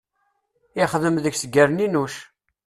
Ixdem deg-s gerninuc.